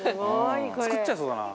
作っちゃいそうだな。